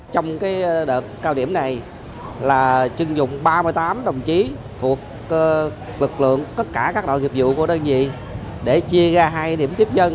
trong đợt cao điểm này là chưng dụng ba mươi tám đồng chí thuộc lực lượng tất cả các đội nghiệp vụ của đơn vị để chia ra hai điểm tiếp dân